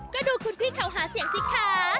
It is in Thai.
ก็ดูคุณพี่เขาหาเสียงสิคะ